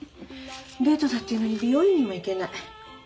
デートだっていうのに美容院にも行けない。